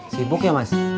sibuk ya mas